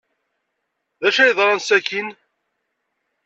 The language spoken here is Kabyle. D acu ay yeḍran sakkin?